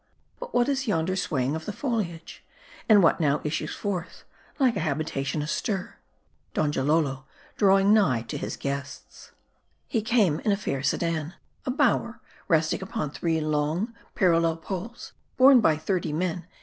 But what is yonder swaying of the foliage ? And what now issues forth, like a habitation astir ? Donjalolo draw ing nigh to his guests. T He carrie in a fair sedan ;. a bower, resting upon three long, parallel poles, borne by thirty men